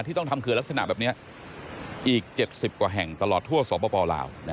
ต้องทำเขื่อนลักษณะแบบนี้อีก๗๐กว่าแห่งตลอดทั่วสปลาว